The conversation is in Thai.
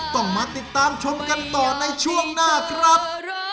ต้องมาติดตามชมกันต่อในช่วงหน้าครับ